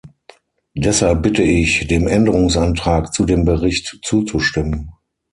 Deshalb bitte ich, dem Änderungsantrag zu dem Bericht zuzustimmen.